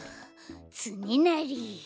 つねなり。